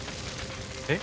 えっ？